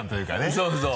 そうそう。